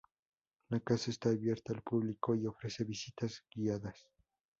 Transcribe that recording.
La casa está abierta al público y ofrece visitas guiadas.